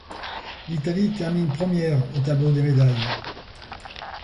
L'Italie termine première au tableau des médailles.